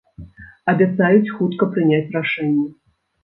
Абяцаюць хутка прыняць рашэнне.